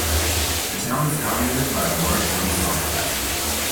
The town is dominated by a large Renaissance castle.